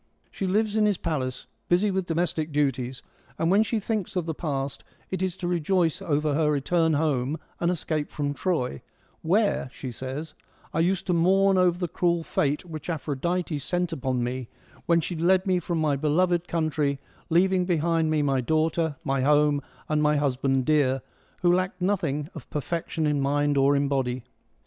She lives in his palace, busy with domestic duties, and when she thinks of the past it is to rejoice over her return home and escape from Troy, ' where,' she says, ' I used to mourn over the cruel fate which Aphrodite 12 FEMINISM IN GREEK LITERATURE sent upon me, when she led me from my beloved country, leaving behind me my daughter, my home, and my husband dear, who lacked nothing of per fection in mind or in body.'